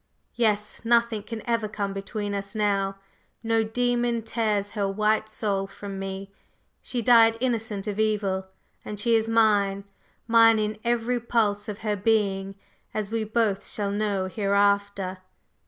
"Yes, nothing can ever come between us now; no demon tears her white soul from me; she died innocent of evil, and she is mine mine in every pulse of her being, as we shall both know hereafter!"